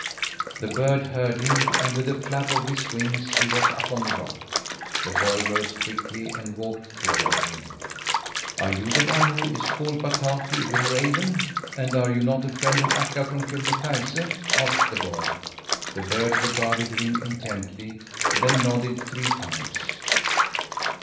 The bird heard him, and, with a flap of his wings, he was up on the rock. The boy rose quickly and walked toward him. "Are you not the one who is called Bataki, the raven? and are you not a friend of Akka from Kebnekaise?" asked the boy. The bird regarded him intently; then nodded three times.